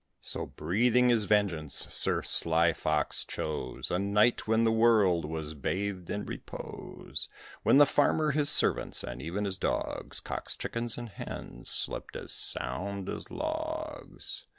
So breathing his vengeance, Sir Sly Fox chose A night when the world was bathed in repose; When the Farmer, his servants, and even his dogs, Cocks, chickens, and hens slept as sound as logs.